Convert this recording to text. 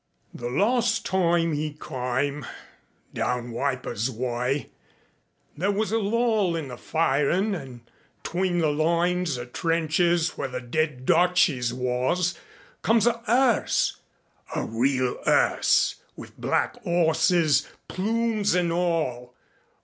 "The larst time 'e kyme down Wipers way. There was a lull in the firin' an' 'tween the lines o' trenches where the dead Dutchies was, comes a 'earse a real 'earse with black 'orses, plumes an' all.